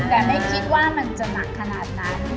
แต่ไม่คิดว่ามันจะหนักขนาดนั้น